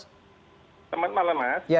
selamat malam mas